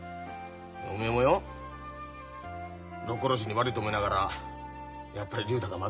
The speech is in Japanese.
おめえもよ六甲おろしに悪いと思いながらやっぱり竜太がマドンナなんだよ。